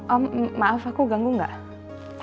om maaf aku ganggu gak